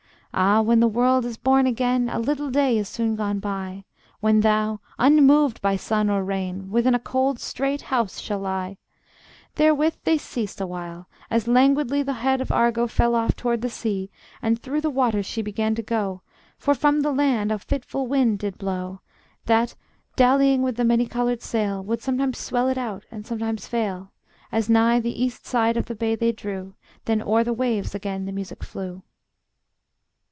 Ah! when the world is born again, A little day is soon gone by, When thou, unmoved by sun or rain, Within a cold straight house shall lie. Therewith they ceased awhile, as languidly The head of Argo fell off toward the sea, And through the water she began to go; For from the land a fitful wind did blow, That, dallying with the many colored sail, Would sometimes swell it out and sometimes fail, As nigh the east side of the bay they drew; Then o'er the waves again the music flew.